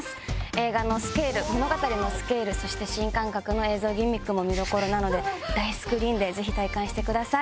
映画のスケール物語のスケールそして新感覚の映像ギミックも見どころなので大スクリーンでぜひ体感してください。